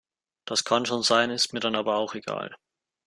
Das kann schon sein, ist mir dann aber auch egal.